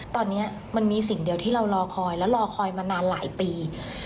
ตอนนี้มันมีสิ่งเดียวที่เรารอคอยและรอคอยมานานหลายปี